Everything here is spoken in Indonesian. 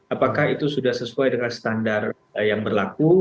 apakah itu sudah sesuai dengan standar yang berlaku